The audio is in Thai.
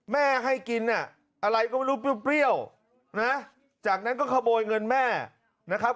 ให้กินอะไรก็ไม่รู้เปรี้ยวนะจากนั้นก็ขโมยเงินแม่นะครับ